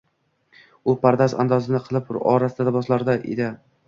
U pardoz - andozini qilib, orasta liboslarda edi.